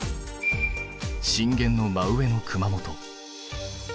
震源の真上の熊本。